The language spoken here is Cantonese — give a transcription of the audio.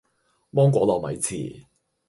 芒果糯米糍